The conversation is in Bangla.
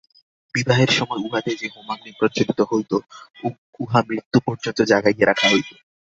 বিবাহের সময় উহাতে যে হোমাগ্নি প্রজ্বলিত হইত, উহা মৃত্যু পর্যন্ত জাগাইয়া রাখা হইত।